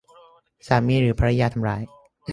สามีหรือภริยาทำร้าย